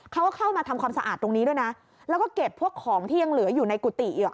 เข้ามาทำความสะอาดตรงนี้ด้วยนะแล้วก็เก็บพวกของที่ยังเหลืออยู่ในกุฏิอีก